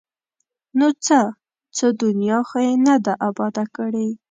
ـ نو څه؟ څه دنیا خو یې نه ده اباده کړې!